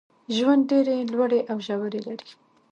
ژوند ډېري لوړي او ژوري لري.